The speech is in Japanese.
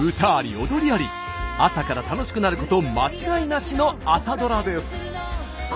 朝から楽しくなること間違いなしの朝ドラです。